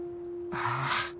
ああ！